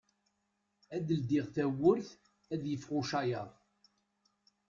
Ad ldiɣ tawwurt ad yeffeɣ ucayaḍ.